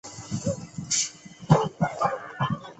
湖南省龙山县水田坝下比寨人。